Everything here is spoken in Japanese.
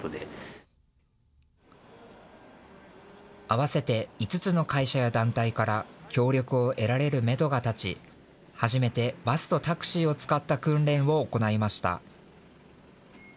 合わせて５つの会社や団体から協力を得られるめどが立ち、初めてバスとタクシーを使った訓練を行いました。